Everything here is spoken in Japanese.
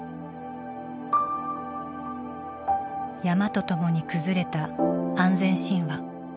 山とともに崩れた安全神話。